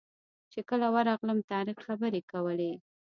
چې کله ورغلم طارق خبرې کولې.